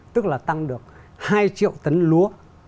tức là tăng được hai triệu tấn lúa